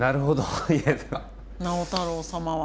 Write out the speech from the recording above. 直太朗様は。